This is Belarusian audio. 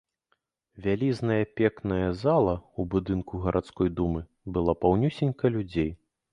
Вялізная пекная зала ў будынку гарадской думы была паўнюсенька людзей.